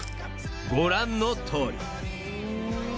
［ご覧のとおり］